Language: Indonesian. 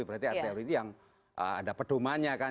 berarti rt rw itu yang ada pedomannya kan